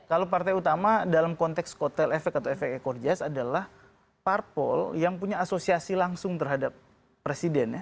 kalau partai utama dalam konteks kotel efek atau efek ekor jas adalah parpol yang punya asosiasi langsung terhadap presiden ya